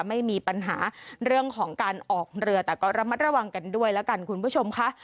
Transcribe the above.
ไม่มีปัญหาเรื่องของการออกเรือแต่ก็ระมัดระวังกันด้วยแล้วกันคุณผู้ชมค่ะ